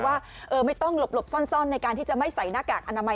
ว่าไม่ต้องหลบซ่อนในการที่จะไม่ใส่หน้ากากอนามัย